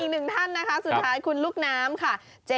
อีกหนึ่งท่านนะคะสุดท้ายคุณลูกน้ำค่ะ